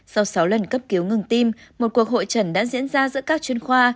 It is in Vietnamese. sau sáu lần cấp cứu ngừng tim một cuộc hội trần đã diễn ra giữa các chuyên khoa